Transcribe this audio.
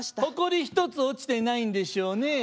「ほこり一つ落ちてないんでしょうね」。